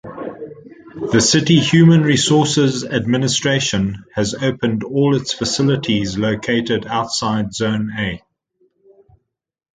The City Human Resources Administration has opened all its facilities located outside Zone A.